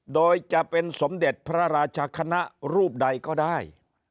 โดยจะเป็นสมเด็จพระราชคณะรูปใดก็ได้